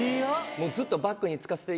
もうずっと。